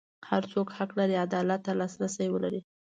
هر څوک حق لري عدالت ته لاسرسی ولري.